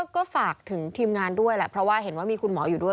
ก็ฝากถึงทีมงานด้วยแหละเพราะว่าเห็นว่ามีคุณหมออยู่ด้วย